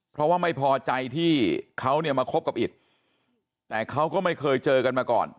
เพราะว่าไม่พอใจที่เขาเนี่ยมาคบกับอิตแต่เขาก็ไม่เคยเจอกันมาก่อน